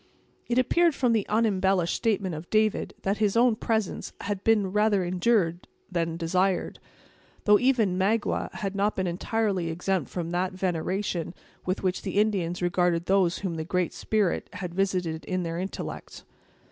It appeared from the unembellished statement of David, that his own presence had been rather endured than desired; though even Magua had not been entirely exempt from that veneration with which the Indians regard those whom the Great Spirit had visited in their intellects.